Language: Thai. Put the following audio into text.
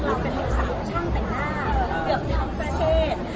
เราจะเป็นสาวช่างแต่งหน้าเกือบทั้งประเทศ